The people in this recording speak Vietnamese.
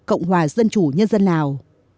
cộng hòa dân chủ nhân dân lào